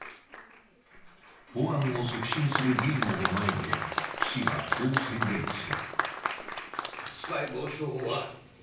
法案を促進する議員らの前で岸はこう宣言した。